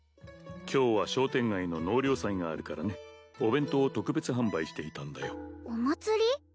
今日は商店街の納涼祭があるからねお弁当を特別販売していたんだよお祭り？